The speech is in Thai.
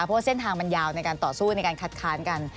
เพราะว่าเส้นทางมันยาวในการต่อสู้ในการคัดค้านกัน